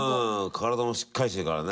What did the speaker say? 体もしっかりしてるからね。